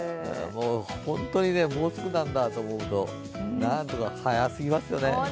本当にもうすぐなんだと思うと、早すぎますよね。